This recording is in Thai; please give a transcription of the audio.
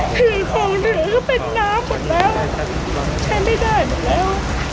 คือคงเหลือเป็นน้ำหมดแล้วใช้ไม่ได้หมดแล้ว